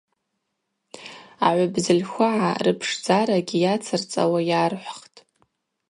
Агӏвыбзыльхвыгӏачва рыпшдзарагьи йацырцӏауа йархӏвхтӏ.